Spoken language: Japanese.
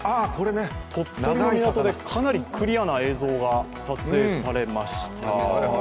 鳥取の港でかなりクリアな映像が撮影されました。